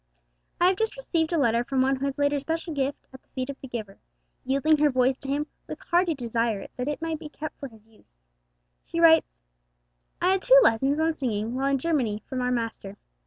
I have just received a letter from one who has laid her special gift at the feet of the Giver, yielding her voice to Him with hearty desire that it might be kept for His use. She writes: 'I had two lessons on singing while in Germany from our Master.